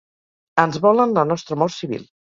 Ens volen la nostra mort civil.